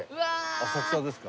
浅草ですか？